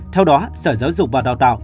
theo đó sở giáo dục và đào tạo